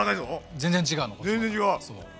全然違う！